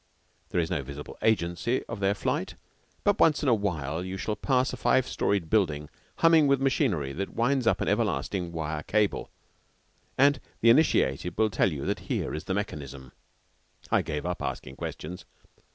There is no visible agency of their flight, but once in awhile you shall pass a five storied building humming with machinery that winds up an everlasting wire cable, and the initiated will tell you that here is the mechanism. I gave up asking questions.